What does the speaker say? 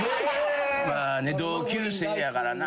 まあね同級生やからな。